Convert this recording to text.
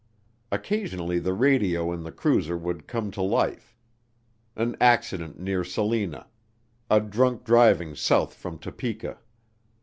Occasionally the radio in the cruiser would come to life. An accident near Salina. A drunk driving south from Topeka.